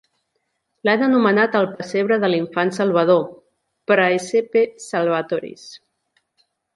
L'han anomenat "El pessebre de l'infant Salvador", "Praesepe Salvatoris".